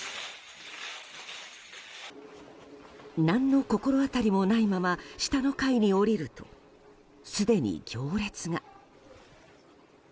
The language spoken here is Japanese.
何の心当たりもないまま下の階に降りるとすでに行列が。